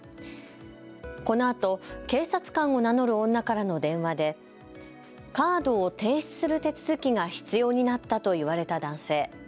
このあと警察官を名乗る女からの電話でカードを停止する手続きが必要になったと言われた男性。